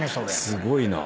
すごいな。